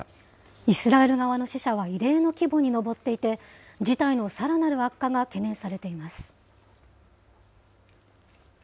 イスラエル側の死者は異例の規模に上っていて、事態のさらなる悪化が懸念されています。